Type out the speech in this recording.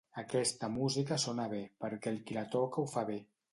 Aquesta música sona bé, perquè el qui la toca ho fa bé.